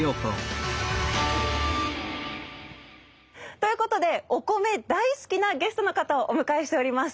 ということでお米大好きなゲストの方をお迎えしております。